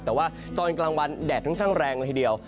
แต่ว่าตอนกลางวันแดดค่อนข้างแรงเลยทีเดียว